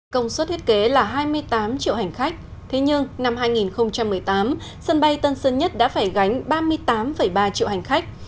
công suất thiết kế là hai mươi tám triệu hành khách thế nhưng năm hai nghìn một mươi tám sân bay tân sơn nhất đã phải gánh ba mươi tám ba triệu hành khách